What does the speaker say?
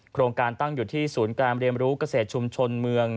โครงการตั้งอยู่ที่ศูนย์การเรียนรู้เกษตรชุมชนเมือง